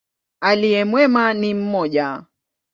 Aliye mwema ni mmoja.